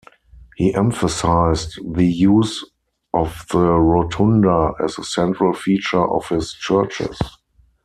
He emphasized the use of the rotunda as a central feature of his churches.